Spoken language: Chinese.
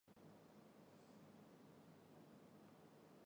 以下表格按各守备位置排序。